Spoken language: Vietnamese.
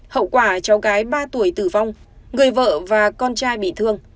hậu quả cháu gái ba tuổi tử vong người vợ và con trai bị thương